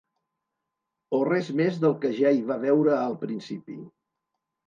O res més del que ja hi va veure al principi.